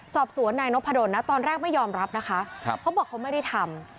สอบสวนนายนพดลนะตอนแรกไม่ยอมรับนะคะเขาบอกเขาไม่ได้ทำ